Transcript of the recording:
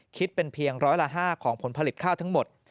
คิดเป็นเพียงร้อยละ๕ของผลผลิตข้าวทั้งหมด